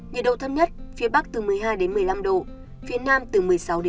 nhiệt độ thâm nhất phía bắc từ một mươi hai một mươi năm độ phía nam từ một mươi sáu một mươi chín độ